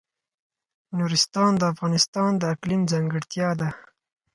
نورستان د افغانستان د اقلیم ځانګړتیا ده.